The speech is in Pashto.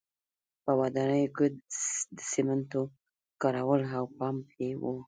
په ودانیو کې د سیمنټو کارول او پمپ یې و